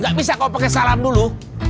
gak bisa kau pakai salam dulu